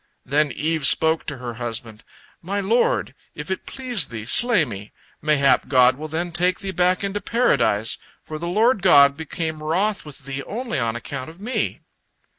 Then Eve spoke to her husband: "My lord, if it please thee, slay me. Mayhap God will then take thee back into Paradise, for the Lord God became wroth with thee only on account of me."